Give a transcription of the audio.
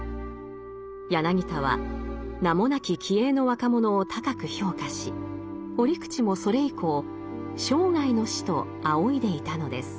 柳田は名もなき気鋭の若者を高く評価し折口もそれ以降生涯の師と仰いでいたのです。